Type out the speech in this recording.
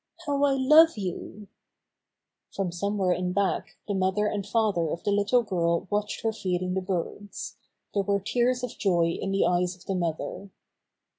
"How I love you !" From somewhere in back the mother and father of the little girl watched her feeding the birds. There were tears of joy in the eyes of the mother.